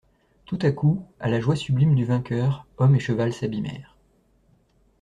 Tout à coup, à la joie sublime du vainqueur, homme et cheval s'abîmèrent.